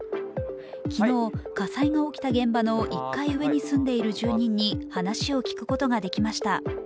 昨日、火災が起きた現場の１階上に住んでいる住人に話を聞くことができました。